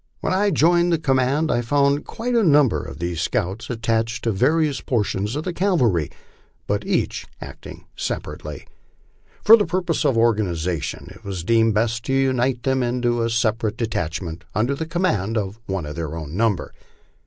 When I joined the command I found quite a number of these scouts attached to various portions of the cavalry, but each acting separately. Foj LIFE ON THE PLAINS. 131 the purposes of organization it was deemed best to unite them into a separate detachment under command of one of their own number.